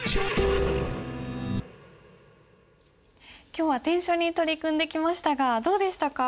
今日は篆書に取り組んできましたがどうでしたか？